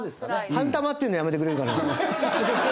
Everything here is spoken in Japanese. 「半玉」って言うのやめてくれるかな？